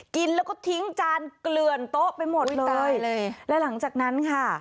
กินแล้วก็ทิ้งจานเกลือนโต๊ะไปหมดเลยและหลังจากนั้นค่ะ